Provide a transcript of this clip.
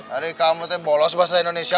hari kamu bolos bahasa indonesia